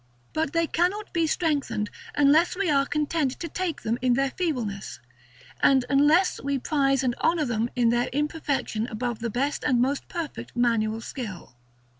But they cannot be strengthened, unless we are content to take them in their feebleness, and unless we prize and honor them in their imperfection above the best and most perfect manual skill.